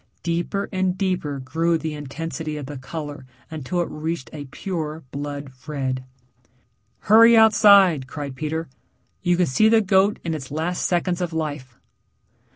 Deeper and deeper grew the intensity of the color until it reached a pure blood red. "Hurry outside," cried Peter. "You can see the goat in its last seconds of life."